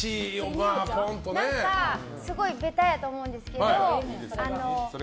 ベタやと思うんですけど。